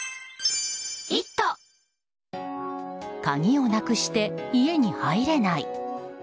鍵をなくして家に入れない。